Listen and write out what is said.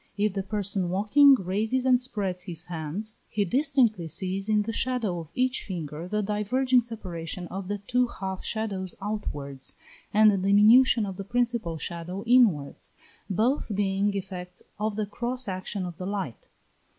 If the person walking raises and spreads his hand, he distinctly sees in the shadow of each finger the diverging separation of the two half shadows outwards, and the diminution of the principal shadow inwards, both being effects of the cross action of the light.